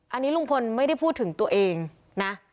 อันนี้ลุงพลไม่ได้พูดถึงตัวเองนะ